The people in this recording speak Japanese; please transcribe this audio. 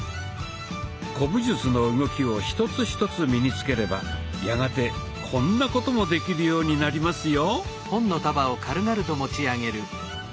古武術の動きを一つ一つ身につければやがてこんなこともできるようになりますよ。